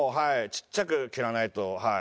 ちっちゃく切らないとはい。